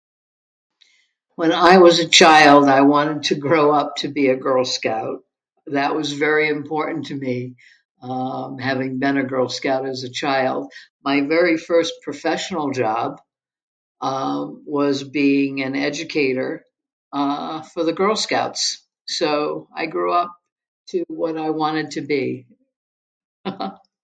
When I was a child, I wanted to grow up to be a Girl Scout. That was very important to me, um, having been a Girl Scout as a child. My very first professional job, um, was being an educator, uh, for the Girl Scouts. So, I grew up to what I wanted to be.